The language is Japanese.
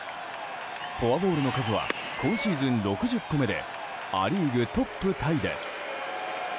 フォアボールの数は今シーズン６０個目でア・リーグトップタイです。